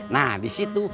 nah di situ